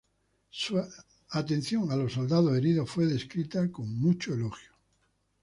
Su atención a los soldados heridos fue descrita con mucho elogio.